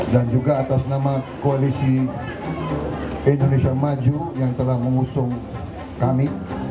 dan juga atas nama koalisi indonesia maju yang telah mengusung kami